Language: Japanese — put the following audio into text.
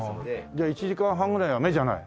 じゃあ１時間半ぐらいは目じゃない？